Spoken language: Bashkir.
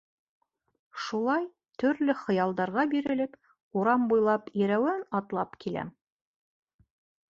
Шулай, төрлө хыялдарға бирелеп, урам буйлап ирәүән атлап киләм.